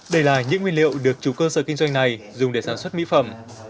đây là những nguyên liệu được chủ cơ sở kinh doanh này dùng để sản xuất mỹ phẩm